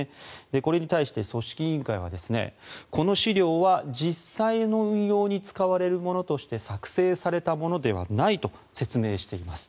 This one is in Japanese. これに対して組織委員会はこの資料は実際の運用に使われるものとして作成されたものではないと説明しています。